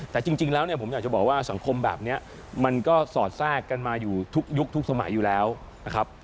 แต่จริงแล้วเนี่ยผมอยากจะบอกว่าสังคมแบบนี้มันก็สอดแทรกกันมาอยู่ทุกยุคทุกสมัยอยู่แล้วนะครับ